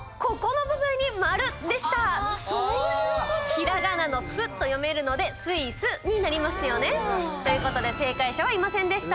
ひらがなの「す」と読めるのでスイスになりますよね。ということで正解者はいませんでした。